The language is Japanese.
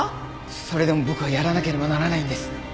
それでも僕はやらなければならないんです。